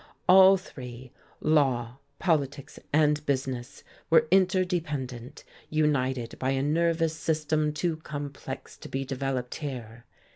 All three, law, politics and business, were interdependent, united by a nervous system too complex to be developed here.